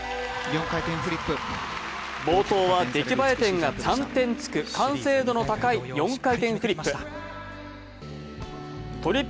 冒頭は出来栄え点が３点つく完成度の高い４回転フリップ。